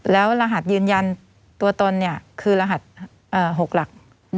แล้วรหัสยืนยันตัวตนคือรหัส๖หลัก